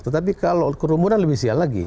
tetapi kalau kerumunan lebih sial lagi